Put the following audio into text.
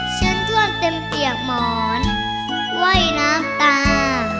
ฉันทวดเต็มเปียกหมอนว่ายน้ำตา